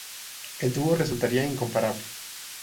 El dúo resultaría incomparable.